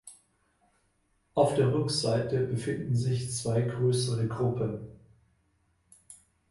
Auf der Rückseite befinden sich zwei größere Gruppen.